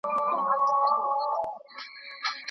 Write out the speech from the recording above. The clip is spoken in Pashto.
دا مينځل له هغې ضروري دي.